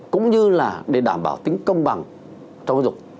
cũng như là để đảm bảo tính công bằng trong giáo dục